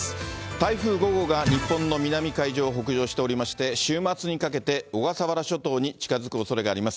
台風５号が日本の南海上を北上しておりまして、週末にかけて小笠原諸島に近づくおそれがあります。